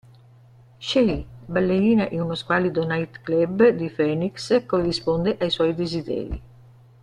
Cherie, ballerina in uno squallido night club di Phoenix, corrisponde ai suoi desideri.